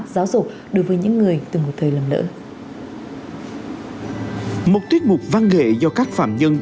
giáo dục đối với những người từng một thời lầm lỡ một tuyết mục văn nghệ do các phạm nhân